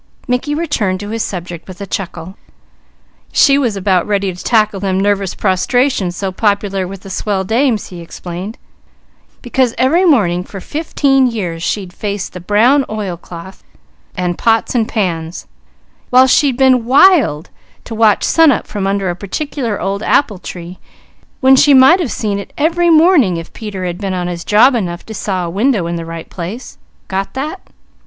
Mickey returned to his subject with a chuckle. "She was 'bout ready to tackle them nervous prostrations so popular with the Swell Dames," he explained, "because every morning for fifteen years she'd faced the brown oilcloth and pots and pans, while she'd been wild to watch sunup from under a particular old apple tree; when she might have seen it every morning if Peter had been on his job enough to saw a window in the right place. Get that?"